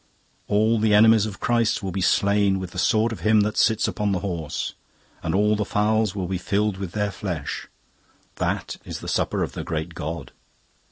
All the enemies of Christ will be slain with the sword of him that sits upon the horse, 'and all the fowls will be filled with their flesh.' That is the Supper of the Great God.